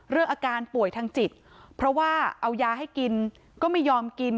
อาการป่วยทางจิตเพราะว่าเอายาให้กินก็ไม่ยอมกิน